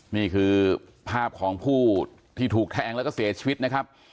นี่คือภาพของผู้ที่ถูกแทงแล้วก็เสียชีวิตนะครับ